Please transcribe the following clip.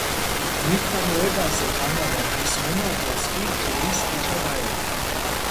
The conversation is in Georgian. გმირთა მოედანზე გამავალ მის მონაკვეთს კი ჯვრის ქუჩა დაერქვა.